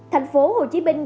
thành phố hồ chí minh